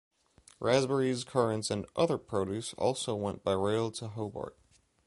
Raspberries, currants and other produce also went by rail to Hobart.